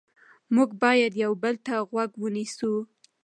موږ باید یو بل ته غوږ ونیسو